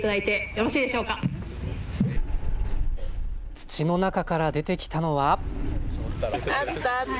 土の中から出てきたのは。